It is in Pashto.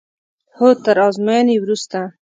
هو تر ازموینې وروسته.